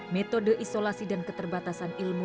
metode isolasi dan keterbatasan ilmu